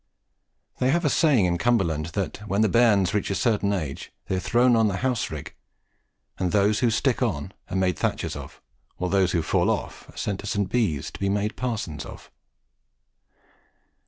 They have a saying in Cumberland that when the bairns reach a certain age, they are thrown on to the house rigg, and that those who stick on are made thatchers of, while those who fall off are sent to St. Bees to be made parsons of.